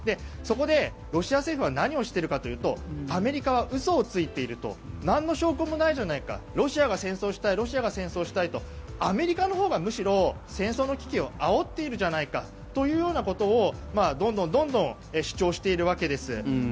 そこでロシア政府は何をしているかというとアメリカは嘘をついているとなんの証拠もないじゃないかロシアが戦争したいロシアが戦争したいとアメリカのほうがむしろ戦争の危機をあおっているじゃないかというようなことをどんどん主張しているわけです。